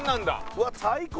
うわっ最高。